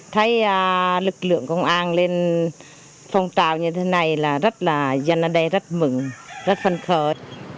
thấy lực lượng công an lên phong trào như thế này là rất là dân ở đây rất mừng rất phân khởi